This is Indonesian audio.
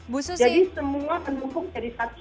jadi semua akan bukuk jadi satu